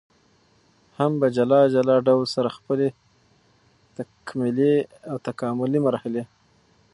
هم په جلا جلا ډول سره خپلي تکمیلي او تکاملي مرحلې